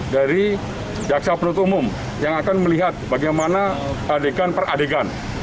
dari jaksa penutup umum yang akan melihat bagaimana adegan per adegan